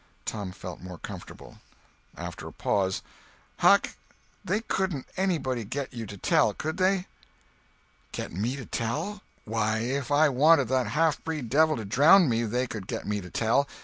Tom felt more comfortable. After a pause: "Huck, they couldn't anybody get you to tell, could they?" "Get me to tell? Why, if I wanted that halfbreed devil to drownd me they could get me to tell.